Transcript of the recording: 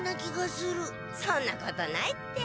そんなことないって。